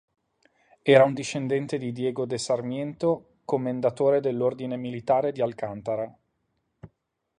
Era un discendente di Diego de Sarmiento, commendatore dell'Ordine Militare di Alcántara.